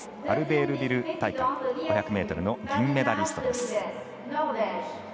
アルベールビル大会の５００ｍの銀メダリストです。